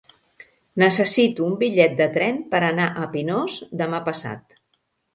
Necessito un bitllet de tren per anar a Pinós demà passat.